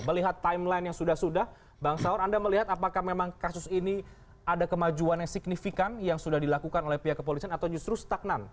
melihat timeline yang sudah sudah bang saur anda melihat apakah memang kasus ini ada kemajuan yang signifikan yang sudah dilakukan oleh pihak kepolisian atau justru stagnan